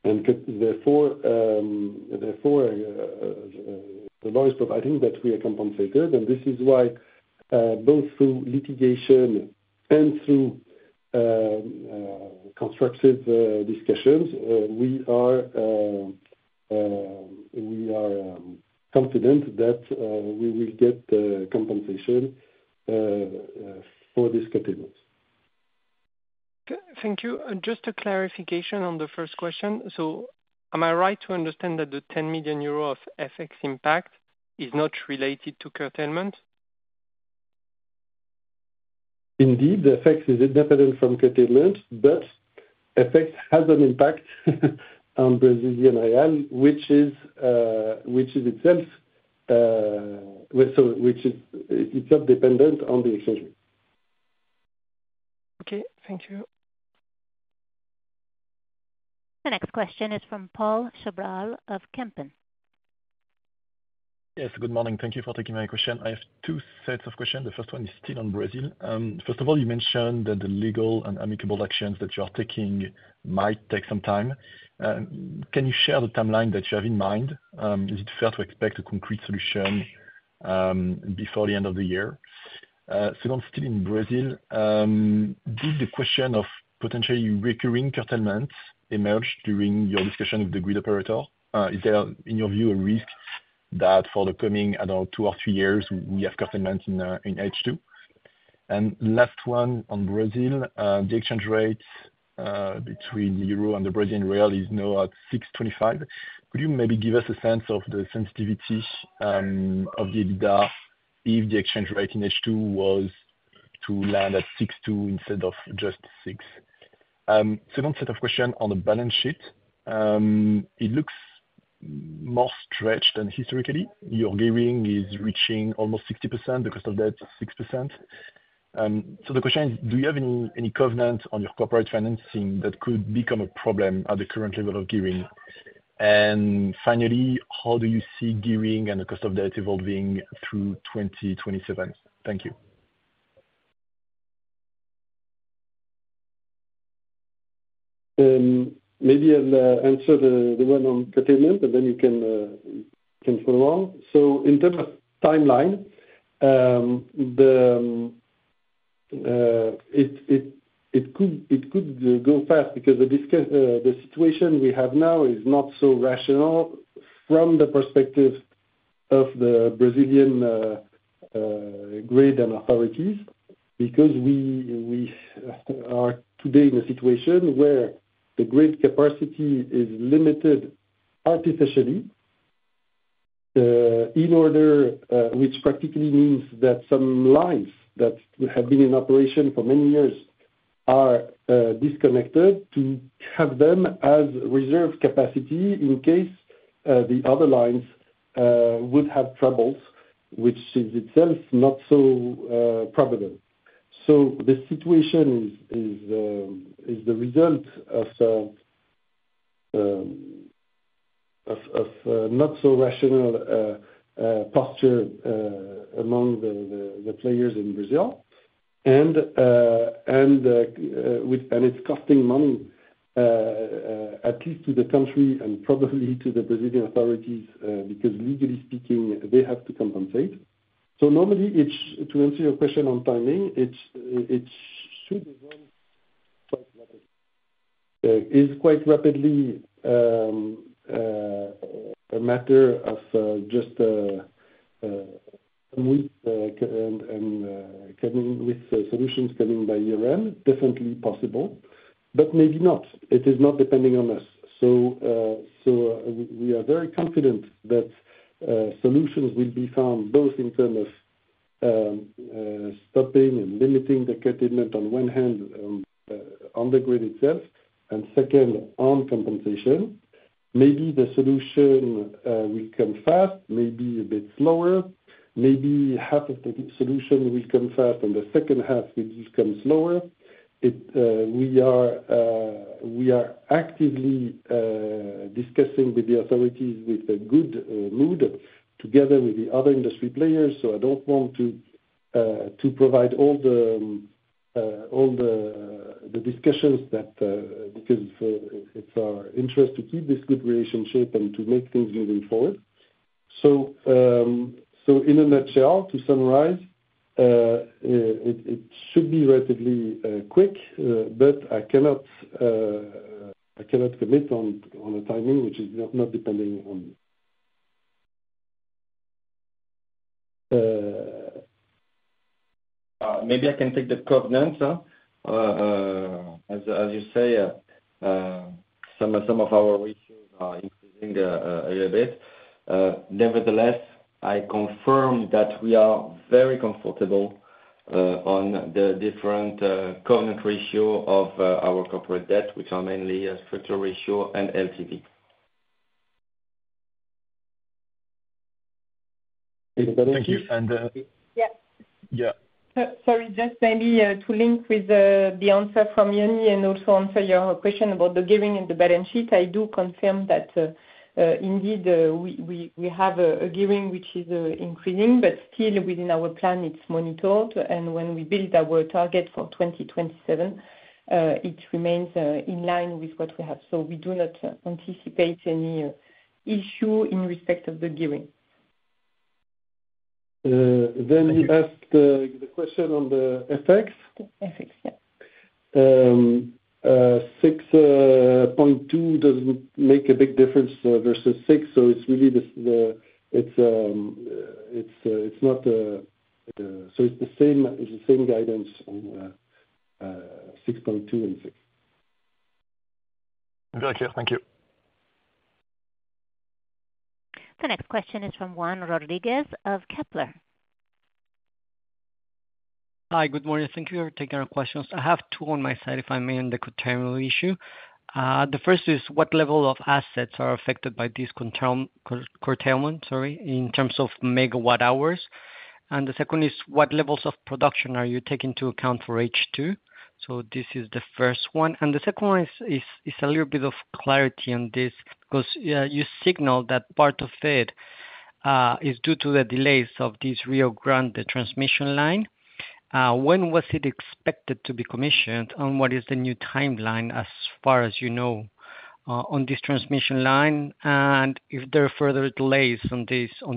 Therefore, the law is providing that we are compensated, and this is why both through litigation and through constructive discussions we are confident that we will get the compensation for this curtailment. Thank you. Just a clarification on the first question: So am I right to understand that the 10 million euro of FX impact is not related to curtailment? Indeed, the effect is independent from curtailment, but effect has an impact on Brazilian real, which is itself dependent on the exchange rate. Okay, thank you. The next question is from Paul Sobral of Kempen. Yes, good morning. Thank you for taking my question. I have two sets of questions. The first one is still on Brazil. First of all, you mentioned that the legal and amicable actions that you are taking might take some time. Can you share the timeline that you have in mind? Is it fair to expect a concrete solution before the end of the year? Second, still in Brazil, did the question of potentially recurring curtailment emerge during your discussion with the grid operator? Is there, in your view, a risk that for the coming, I don't know, two or three years, we have curtailment in H2? And last one on Brazil, the exchange rate between the euro and the Brazilian real is now at 6.25. Could you maybe give us a sense of the sensitivity of the EBITDA if the exchange rate in H2 was to land at 6.2 instead of just 6? Second set of question on the balance sheet. It looks more stretched than historically. Your gearing is reaching almost 60% because of debt 6%. So the question is, do you have any covenants on your corporate financing that could become a problem at the current level of gearing? And finally, how do you see gearing and the cost of debt evolving through 2027? Thank you. Maybe I'll answer the one on curtailment, and then you can follow on. So in terms of timeline, it could go fast because the situation we have now is not so rational from the perspective of the Brazilian grid and authorities. Because we are today in a situation where the grid capacity is limited artificially, which practically means that some lines that have been in operation for many years are disconnected to have them as reserve capacity in case the other lines would have troubles, which is itself not so prevalent. So the situation is the result of not so rational posture among the players in Brazil. It's costing money, at least to the country and probably to the Brazilian authorities, because legally speaking, they have to compensate. So normally, to answer your question on timing, it should run quite rapidly. It's a matter of just coming with solutions by year-end, definitely possible, but maybe not. It is not depending on us. So we are very confident that solutions will be found both in terms of stopping and limiting the curtailment on one hand, on the grid itself, and second, on compensation. Maybe the solution will come fast, maybe a bit slower, maybe half of the solution will come fast and the second half will come slower. We are actively discussing with the authorities with a good mood, together with the other industry players. So I don't want to provide all the discussions, because it's our interest to keep this good relationship and to make things moving forward. So in a nutshell, to summarize, it should be relatively quick, but I cannot commit on a timing, which is not depending on me. Maybe I can take the covenant, huh? As you say, some of our ratios are increasing a little bit. Nevertheless, I confirm that we are very comfortable on the different covenant ratio of our corporate debt, which are mainly structure ratio and LTV. Thank you. And, uh Yes. Yeah. Sorry, just maybe to link with the answer from Yannick and also answer your question about the gearing and the balance sheet. I do confirm that indeed we have a gearing which is increasing, but still within our plan, it's monitored. When we build our target for 2027, it remains in line with what we have. So we do not anticipate any issue in respect of the gearing. Then you asked the question on the FX. FX, yeah. 6.2 doesn't make a big difference versus 6, so it's the same guidance on 6.2 and 6. Very clear. Thank you. The next question is from Juan Rodriguez of Kepler. Hi, good morning. Thank you for taking our questions. I have two on my side, if I may, on the curtailment issue. The first is, what level of assets are affected by this curtailment, sorry, in terms of megawatt hours? And the second is, what levels of production are you taking into account for H2? So this is the first one, and the second one is a little bit of clarity on this, 'cause you signaled that part of it is due to the delays of this Rio Grande do Norte transmission line. When was it expected to be commissioned, and what is the new timeline, as far as you know, on this transmission line? And if there are further delays on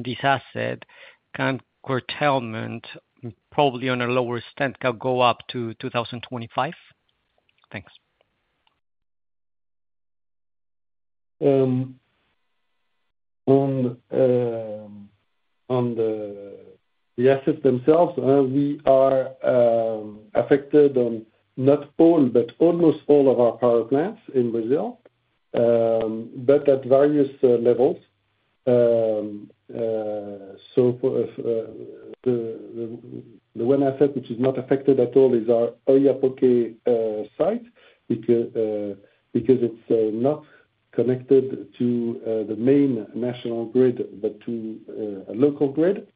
this asset, can curtailment, probably on a lower extent, go up to 2025? Thanks. On the assets themselves, we are affected on not all, but almost all of our power plants in Brazil, but at various levels. So for the one asset which is not affected at all is our Oiapoque site, because it's not connected to the main national grid, but to a local grid.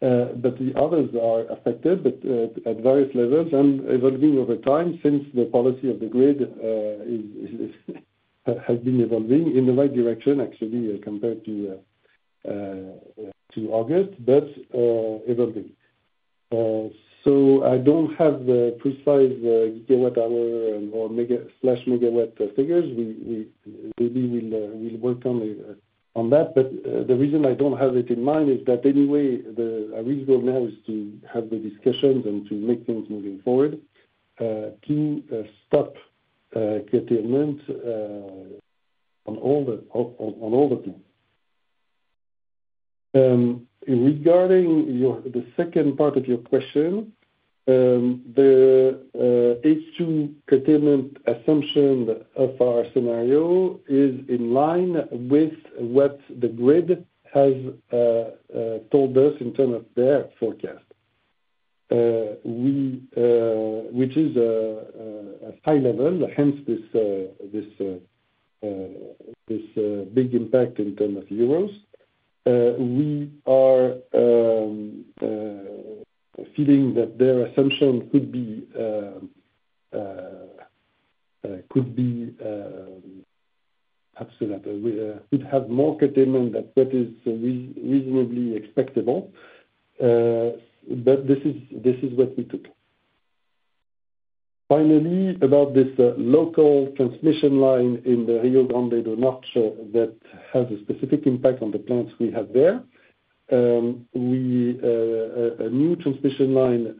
But the others are affected, but at various levels, and evolving over time, since the policy of the grid has been evolving in the right direction, actually, compared to August, but evolving. So I don't have the precise gigawatt hour or megawatt figures. We maybe we'll work on that. But the reason I don't have it in mind is that anyway, our goal now is to have the discussions and to make things moving forward, to stop curtailment on all the things. Regarding your, the second part of your question, the H2 curtailment assumption of our scenario is in line with what the grid has told us in terms of their forecast. Which is a high level, hence this big impact in terms of euros. We are feeling that their assumption could be absolutely could have more curtailment than what is reasonably expectable. But this is what we took. Finally, about this local transmission line in the Rio Grande do Norte that has a specific impact on the plants we have there. A new transmission line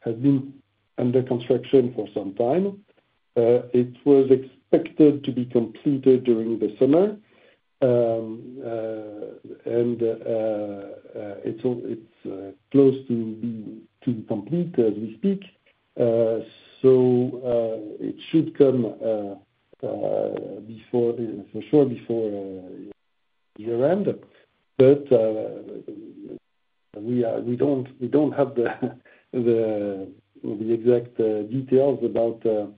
has been under construction for some time. It was expected to be completed during the summer, and it's close to being complete as we speak, so it should come, for sure, before year end. But we don't have the exact details about the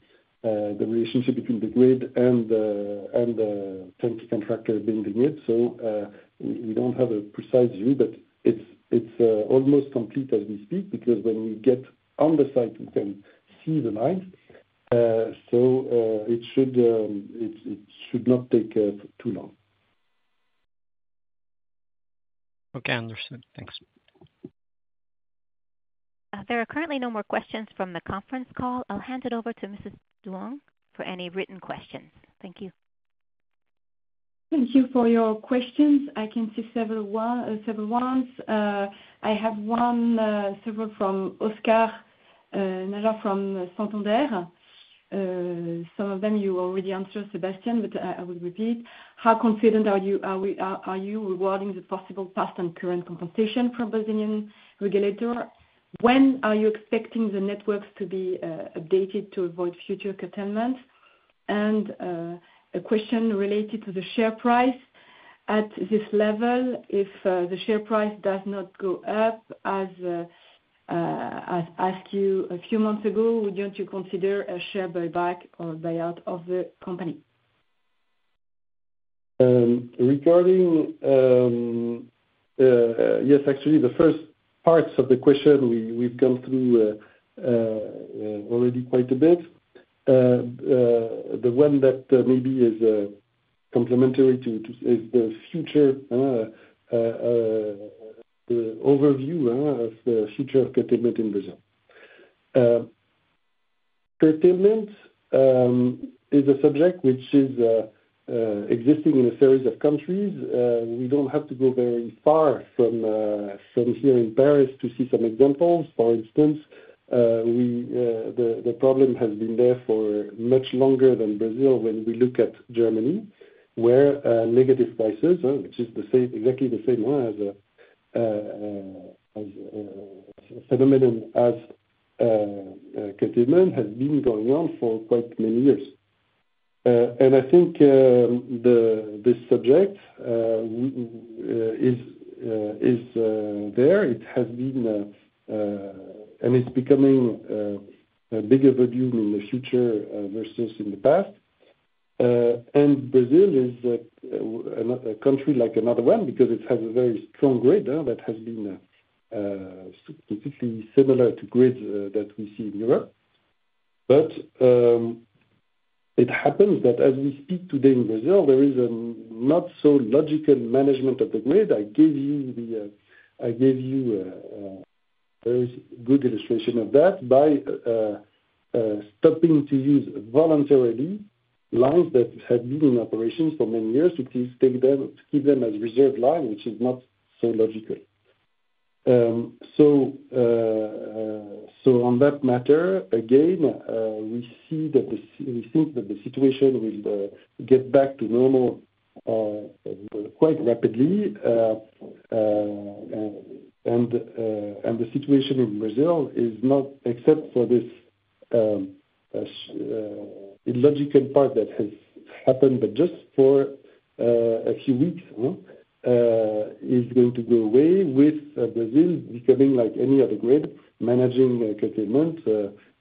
relationship between the grid and the contractor building it. So we don't have a precise view, but it's almost complete as we speak, because when we get on the site, we can see the line. It should not take too long. Okay, understood. Thanks. There are currently no more questions from the conference call. I'll hand it over to Mrs. Duong for any written questions. Thank you. Thank you for your questions. I can see several ones. I have several from Oscar Najar from Santander. Some of them you already answered, Sébastien, but I will repeat. How confident are you rewarding the possible past and current compensation from Brazilian regulator? When are you expecting the networks to be updated to avoid future curtailment? A question related to the share price. At this level, if the share price does not go up, as I asked you a few months ago, would you consider a share buyback or buyout of the company? Regarding, yes, actually the first parts of the question, we, we've gone through already quite a bit. The one that maybe is complementary to, to is the future, the overview, of the future of curtailment in Brazil. Curtailment is a subject which is existing in a series of countries. We don't have to go very far from here in Paris to see some examples. For instance, the problem has been there for much longer than Brazil. When we look at Germany, where negative prices, which is the same, exactly the same one as curtailment, has been going on for quite many years. I think this subject is there. It has been, and it's becoming a bigger volume in the future versus in the past. Brazil is a country like another one, because it has a very strong grid that has been specifically similar to grids that we see in Europe. But it happens that as we speak today in Brazil, there is a not so logical management of the grid. I gave you a very good illustration of that, by stopping to use voluntarily lines that have been in operation for many years, to please take them, to keep them as reserve line, which is not so logical. On that matter, again, we see that we think that the situation will get back to normal quite rapidly, and the situation in Brazil is not, except for this illogical part that has happened, but just for a few weeks, huh? It is going to go away with Brazil becoming like any other grid, managing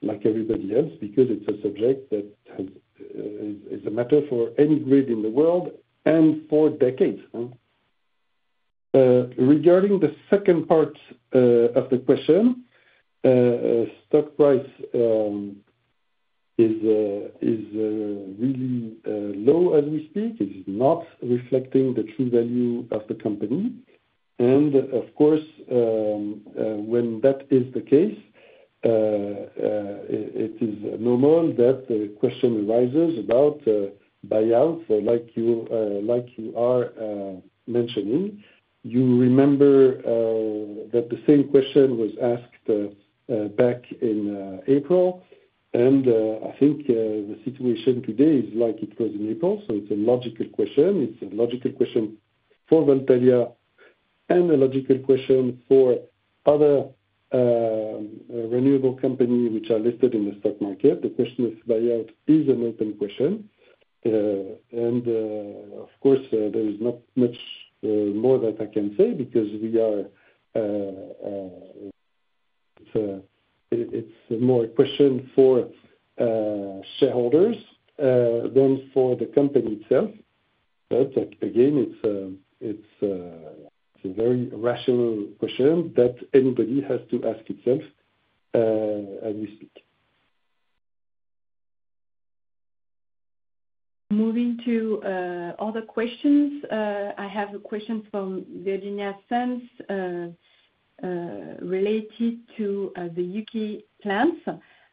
like everybody else, because it's a subject that is a matter for any grid in the world, and for decades, huh? Regarding the second part of the question, stock price is really low as we speak. It is not reflecting the true value of the company. Of course, when that is the case, it is normal that the question arises about buyout, like you are mentioning. You remember that the same question was asked back in April, and I think the situation today is like it was in April, so it's a logical question. It's a logical question for Voltalia, and a logical question for other renewable company which are listed in the stock market. The question of buyout is an open question. And of course, there is not much more that I can say, because it's more a question for shareholders than for the company itself. But again, it's a very rational question that anybody has to ask itself, as we speak. Moving to other questions, I have a question from Virginia Sanz related to the U.K. plans.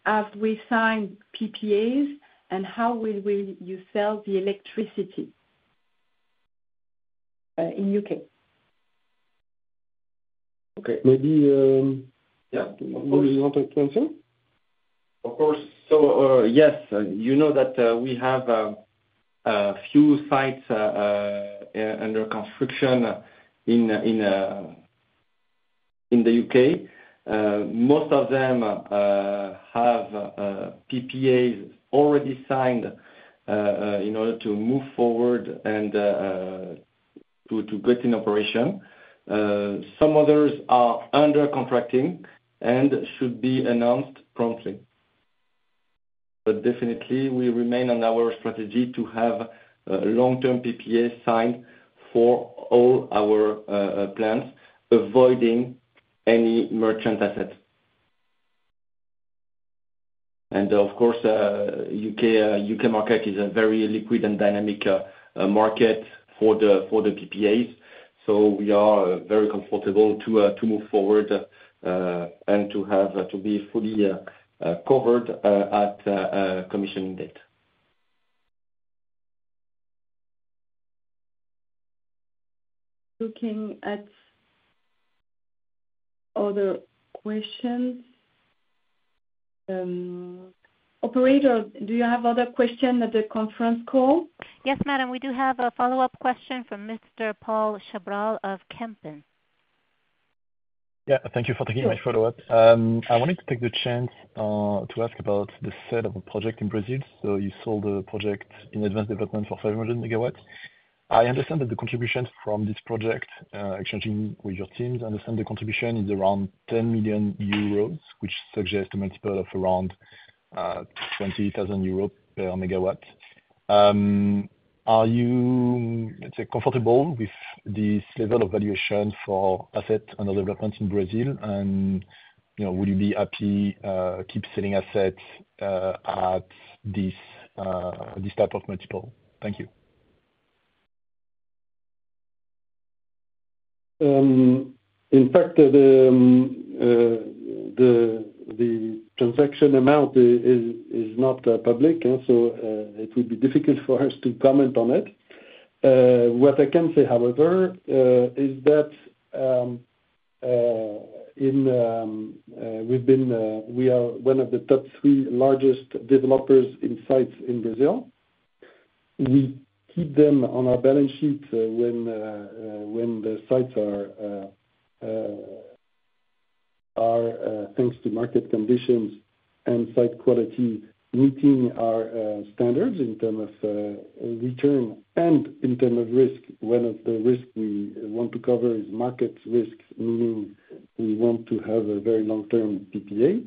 Have we signed PPAs, and how will we- you sell the electricity in U.K.? Okay. Maybe, Yeah. You want to answer? Of course. So, yes, you know that we have a few sites under construction in the U.K. Most of them have PPAs already signed in order to move forward and to get in operation. Some others are under contracting, and should be announced promptly. But definitely we remain on our strategy to have long-term PPAs signed for all our plants, avoiding any merchant asset. And of course, U.K. market is a very liquid and dynamic market for the PPAs, so we are very comfortable to move forward and to have to be fully covered at commissioning date. Looking at other questions. Operator, do you have other questions at the conference call? Yes, madam. We do have a follow-up question from Mr. Paul Sobral of Kempen. Yeah, thank you for taking my follow-up. I wanted to take the chance to ask about the sale of a project in Brazil. So you sold a project in advanced development for 500 megawatts. I understand that the contribution from this project, exchanging with your teams, understand the contribution is around 10 million euros, which suggests a multiple of around 20,000 euro per megawatt. Are you, let's say, comfortable with this level of valuation for asset under development in Brazil? And, you know, will you be happy keep selling assets at this type of multiple? Thank you. In fact, the transaction amount is not public, and so it would be difficult for us to comment on it. What I can say, however, is that we are one of the top three largest developers in sites in Brazil. We keep them on our balance sheet when the sites are, thanks to market conditions and site quality, meeting our standards in terms of return and in term of risk. One of the risk we want to cover is market risk, meaning we want to have a very long-term PPA.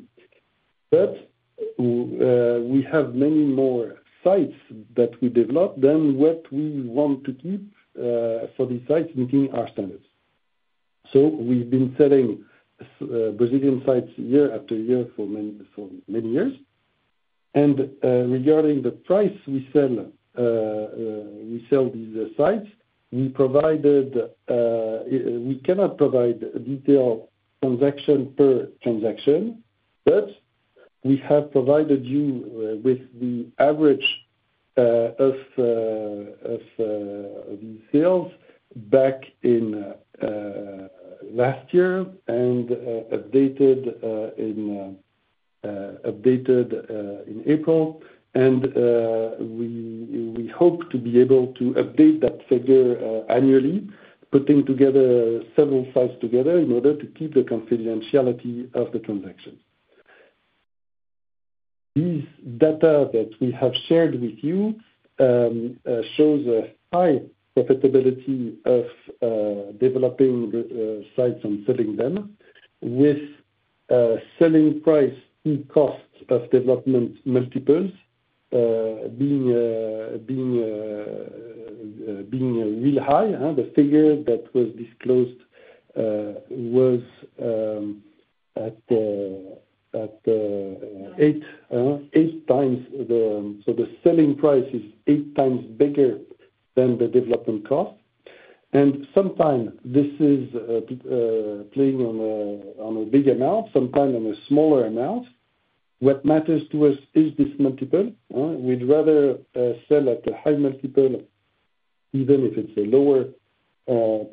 But we have many more sites that we develop than what we want to keep for the sites meeting our standards. We've been selling Brazilian sites year after year for many years. Regarding the price we sell these sites, we cannot provide detailed transaction per transaction, but we have provided you with the average of these sales back in last year and updated in April. We hope to be able to update that figure annually, putting several sites together in order to keep the confidentiality of the transaction. This data that we have shared with you shows a high profitability of developing sites and selling them, with selling price and cost of development multiples being really high, huh? The figure that was disclosed was at Eight. Eight times the... So the selling price is eight times bigger than the development cost. And sometimes this is playing on a big amount, sometimes on a smaller amount. What matters to us is this multiple. We'd rather sell at a high multiple, even if it's a lower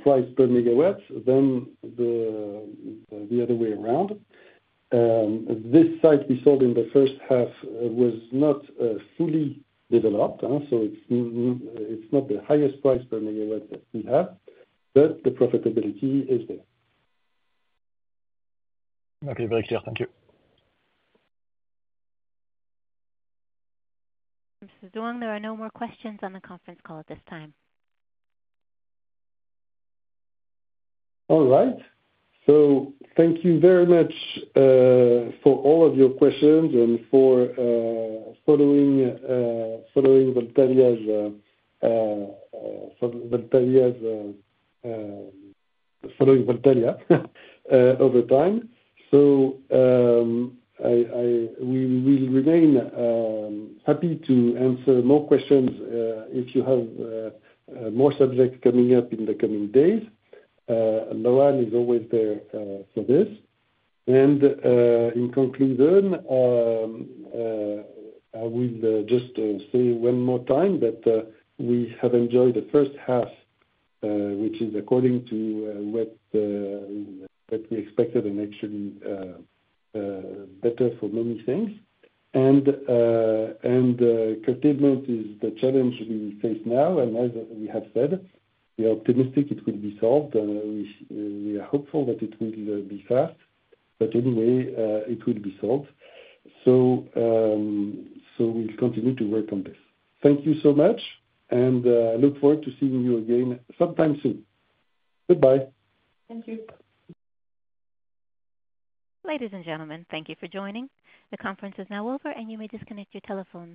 price per megawatt than the other way around. This site we sold in the first half was not fully developed, so it's not the highest price per megawatt that we have, but the profitability is there. Okay, very clear. Thank you. Mr. Clerc, there are no more questions on the conference call at this time. All right. So thank you very much for all of your questions and for following Voltalia over time. So we will remain happy to answer more questions if you have more subjects coming up in the coming days. Loan is always there for this. And in conclusion, I will just say one more time that we have enjoyed the first half, which is according to what we expected, and actually better for many things. And curtailment is the challenge we face now, and as we have said, we are optimistic it will be solved. We are hopeful that it will be fast, but anyway, it will be solved. We'll continue to work on this. Thank you so much, and look forward to seeing you again sometime soon. Goodbye. Thank you. Ladies and gentlemen, thank you for joining. The conference is now over, and you may disconnect your telephones.